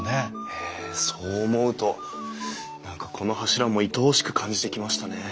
へえそう思うと何かこの柱もいとおしく感じてきましたね。